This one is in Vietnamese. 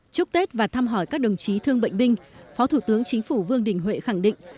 chúc tết và thăm hỏi các đồng chí thương bệnh binh phó thủ tướng chính phủ vương đình huệ khẳng định